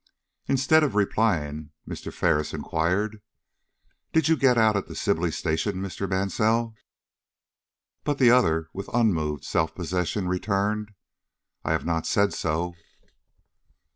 Instead of replying, Mr. Ferris inquired: "Did you get out at Sibley Station, Mr. Mansell?" But the other, with unmoved self possession, returned: "I have not said so."